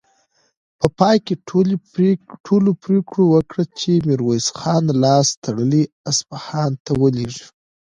په پای کې ټولو پرېکړه وکړه چې ميرويس خان لاس تړلی اصفهان ته ولېږي.